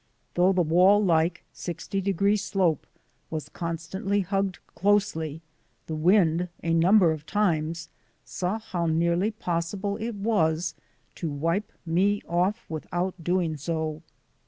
Though the wall like, sixty degree slope was constantly hugged closely, the wind a number of times saw how nearly possible it was to wipe me off without doing so.